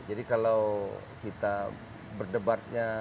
jadi kalau kita berdebatnya